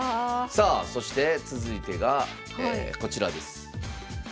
さあそして続いてがえこちらです。